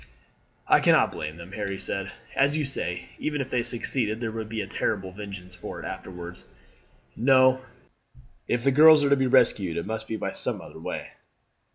"I cannot blame them," Harry said. "As you say, even if they succeeded there would be a terrible vengeance for it afterwards. No; if the girls are to be rescued it must be by some other way.